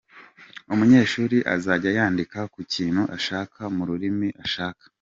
Umunyeshuri azajya yandika ku kintu ashaka, mu rurimi ashaka.